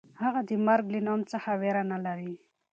هغه د مرګ له نوم څخه وېره نه لري.